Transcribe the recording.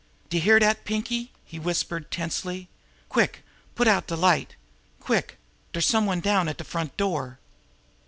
"D'ye hear dat, Pinkie!" he whispered tensely. "Quick! Put out de light! Quick! Dere's some one down at de front door!"